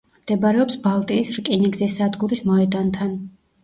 მდებარეობს ბალტიის რკინიგზის სადგურის მოედანთან.